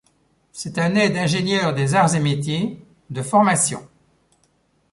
C'est un aide ingénieur des Arts et Métiers de formation.